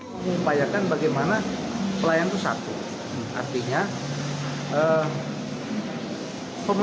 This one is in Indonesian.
nah teman teman lagi lihat itu ada posisi di area publik